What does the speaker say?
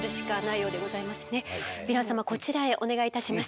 こちらへお願いいたします。